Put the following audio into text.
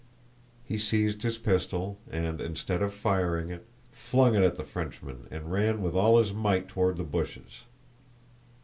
He seized his pistol and, instead of firing it, flung it at the Frenchman and ran with all his might toward the bushes.